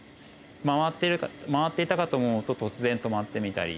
回っていたかと思うと突然止まってみたり。